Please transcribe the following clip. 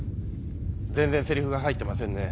全然セリフが入ってませんね。